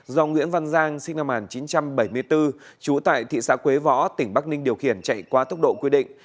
do nguyễn văn giang sinh năm một nghìn chín trăm bảy mươi bốn trú tại thị xã quế võ tỉnh bắc ninh điều khiển chạy qua tốc độ quy định